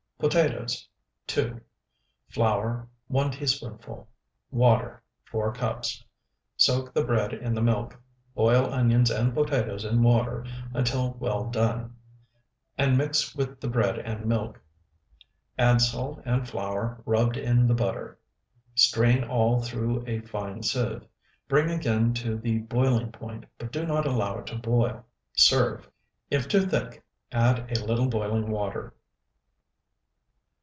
Potatoes, 2. Flour, 1 teaspoonful. Water, 4 cups. Soak the bread in the milk, boil onions and potatoes in water until well done, and mix with the bread and milk; add salt and flour rubbed in the butter; strain all through a fine sieve; bring again to the boiling point, but do not allow it to boil; serve. If too thick, add a little boiling water.